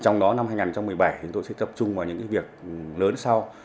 trong đó năm hai nghìn một mươi bảy chúng tôi sẽ tập trung vào những việc lớn sau